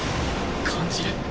感じる！